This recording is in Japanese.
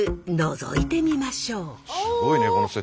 のぞいてみましょう。